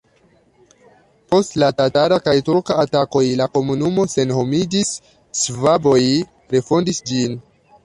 Post la tatara kaj turka atakoj la komunumo senhomiĝis, ŝvaboj refondis ĝin.